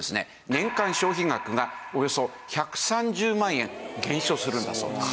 年間消費額がおよそ１３０万円減少するんだそうです。